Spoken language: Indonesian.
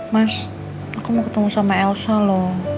mas aku mau ketemu sama elsa loh